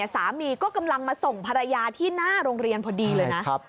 สามีก็กำลังมาส่งภรรยาที่หน้าโรงเรียนพอดีเลยนะ